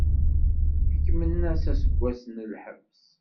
Ḥekmen-as aseggas n lḥebs.